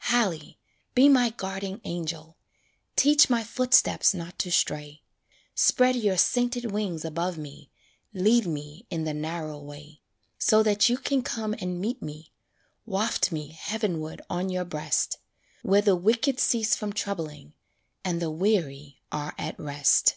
Hallie! be my guarding angel, Teach my footsteps not to stray; Spread your sainted wings above me, Lead me in "the narrow way," So that you can come and meet me Waft me heavenward on your breast, "Where the wicked cease from troubling, And the weary are at rest."